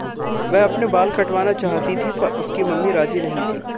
वह अपने बाल कटवाना चाह्ती थी, पर उसकी मम्मी राज़ी नहीं थी।